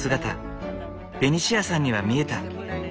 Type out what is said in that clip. ベニシアさんには見えた。